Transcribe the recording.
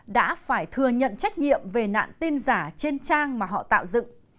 đã phải thừa nhận trách nhiệm về nạn tin giả trên trang mà họ tạo dựng